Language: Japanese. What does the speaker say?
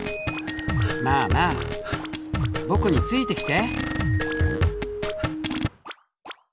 まあまあ僕についてきて。